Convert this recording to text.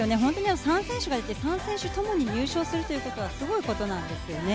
３選手がいて、３選手ともに入賞するということはすごいことなんです。